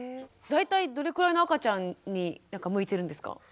大体どれくらいの赤ちゃんに向いてるんですか？